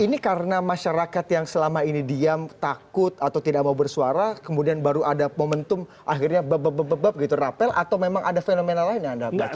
ini karena masyarakat yang selama ini diam takut atau tidak mau bersuara kemudian baru ada momentum akhirnya babak bebab gitu rapel atau memang ada fenomena lain yang anda baca